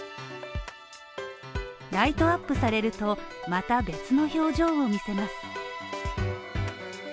ライトアップされるとまた別の表情を見せます。